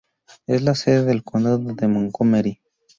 Es la sede del Condado de Montgomery.